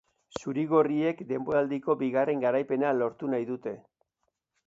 Zuri-gorriek denboraldiko bigarren garaipena lortu nahi dute.